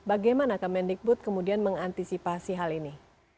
bagaimana kemendikbud kemudian mengantisipasi hal ini